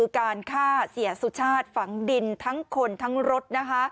การฆ่าเสียสุชาติฝังดินทั้งคนทั้งรถ